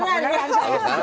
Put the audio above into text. aku ngamuk benangan